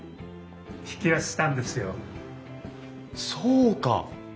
そうか！